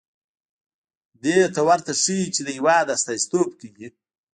دې ورته وښيي چې د هېواد استازیتوب کوي.